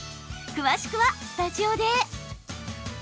詳しくはスタジオで。